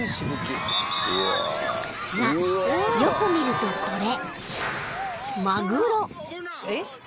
［がよく見るとこれ］